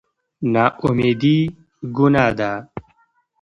نااميدي ګناه ده